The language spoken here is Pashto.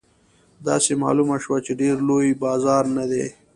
داسې معلومه شوه چې ډېر لوی بازار نه دی.